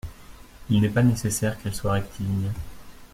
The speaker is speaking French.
Il n’est pas nécessaire qu’elle soit rectiligne.